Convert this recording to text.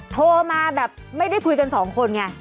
โทรมาแบบไม่ได้คุยกันสองคนไง